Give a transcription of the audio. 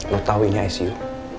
lo tau ini icu